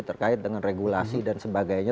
terkait dengan regulasi dan sebagainya